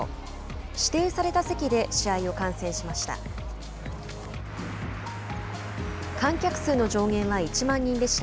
指定された席で試合を観戦しました。